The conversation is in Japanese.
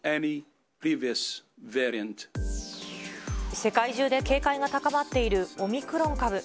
世界中で警戒が高まっているオミクロン株。